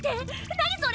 何それ！